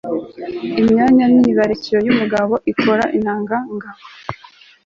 imyanya myibarukiro y'umugabo ikora intangangabo